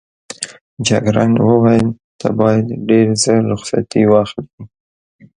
جګړن وویل ته باید ډېر ژر رخصتي واخلې.